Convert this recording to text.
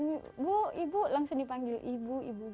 ibu ibu langsung dipanggil ibu ibu ibu ibu ibu